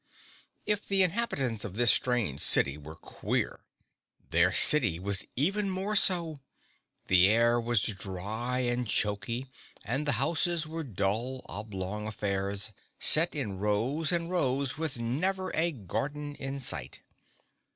If the inhabitants of this strange city were queer, their city was even more so. The air was dry and choky and the houses were dull, oblong affairs, set in rows and rows with never a garden in sight.